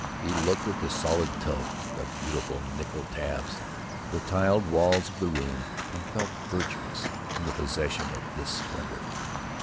He looked at the solid tub, the beautiful nickel taps, the tiled walls of the room, and felt virtuous in the possession of this splendor.